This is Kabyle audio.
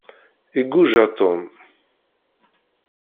Iguja Tom.